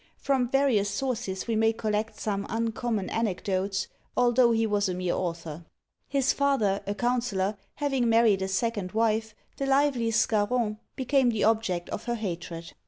From various sources we may collect some uncommon anecdotes, although he was a mere author. His father, a counsellor, having married a second wife, the lively Scarron became the object of her hatred.